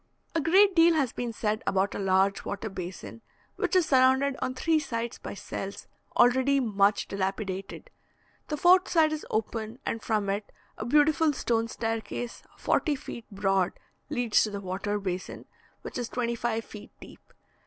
A great deal has been said about a large water basin, which is surrounded on three sides by cells, already much dilapidated; the fourth side is open, and from it a beautiful stone staircase, forty feet broad, leads to the water basin, which is twenty five feet deep.